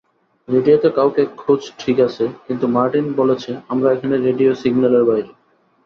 রেডিওতে কাউকে খুঁজ ঠিক আছে, কিন্তু মার্টিন বলেছে আমরা এখানে রেডিও সিগনালের বাইরে।